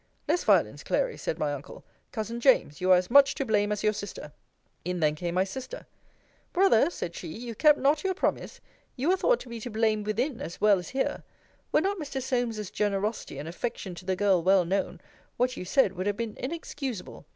Less violence, Clary, said my uncle. Cousin James, you are as much to blame as your sister. In then came my sister. Brother, said she, you kept not your promise. You are thought to be to blame within, as well as here. Were not Mr. Solmes's generosity and affection to the girl well known, what you said would have been inexcusable.